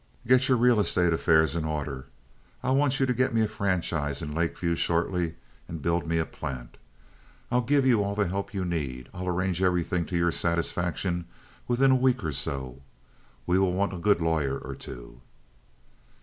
"Get your real estate affairs in order. I'll want you to get me a franchise in Lake View shortly and build me a plant. I'll give you all the help you need. I'll arrange everything to your satisfaction within a week or so. We will want a good lawyer or two."